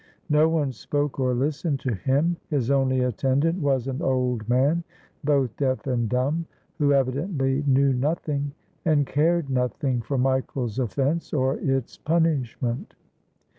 No one spoke or listened to him. His only attendant was an old man, both deaf and dumb, who evidently knew nothing and cared nothing for Michael's offense or its punishment.